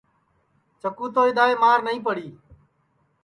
چکُو تو اِدؔائے مار نائی پڑی